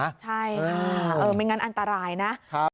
ใช่ค่ะไม่งั้นอันตรายนะ